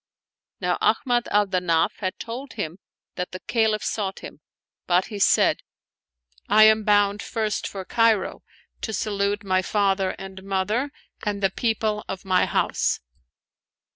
Now Ahmad al Danaf had told him that the Caliph sought him ; but he said, " I am bound first for Cairo, to salute my father and mother and the people of my house."